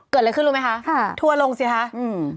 เกิดอะไรขึ้นรู้ไหมคะทัวรงสิคะค่ะอืม